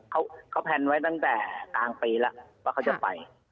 เขาแพลนไว้ตั้งแต่กลางปีแล้วว่าเขาจะไป